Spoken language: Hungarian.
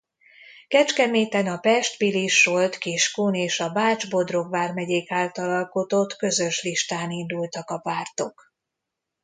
Kecskeméten a Pest-Pilis-Solt-Kiskun és a Bács-Bodrog vármegyék által alkotott közös listán indultak a pártok.